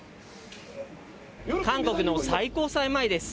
韓国の最高裁前です。